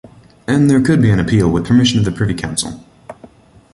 And there could be an appeal with permission of the Privy Council.